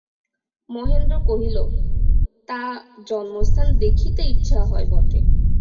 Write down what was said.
মহেন্দ্র কহিল, তা, জন্মস্থান দেখিতে ইচ্ছা হয় বটে।